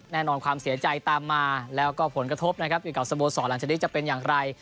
แน่นอนความเสียใจตามมาแล้วก็ผลกระทบนะครับอยู่กับสโมสรหลังจากนี้จะเป็นอย่างไร